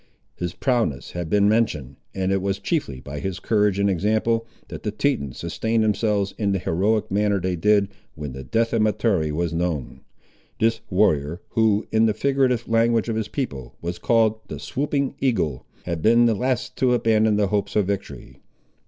His prowess has been mentioned; and it was chiefly by his courage and example, that the Tetons sustained themselves in the heroic manner they did, when the death of Mahtoree was known. This warrior, who, in the figurative language of his people, was called "the Swooping Eagle," had been the last to abandon the hopes of victory.